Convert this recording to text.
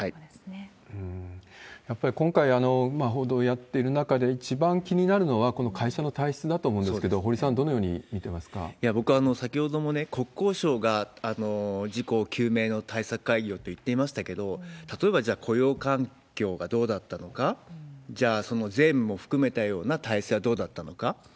やっぱり今回、報道やっている中で一番気になるのは、この会社の体質だと思うんですけど、堀さん、僕、先ほどもね、国交省が事故救命の対策会議をと言っていましたけれども、例えばじゃあ、雇用環境がどうだったのか、じゃあ、その税務も含めたような体制はどうだったのか。